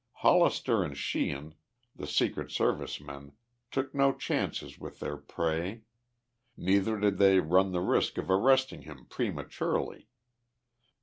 Hollister and Sheehan, the Secret Service men, took no chances with their prey. Neither did they run the risk of arresting him prematurely.